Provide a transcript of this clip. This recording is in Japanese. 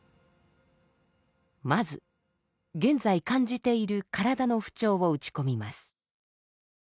まず現在感じている体の不調を打ち込みます。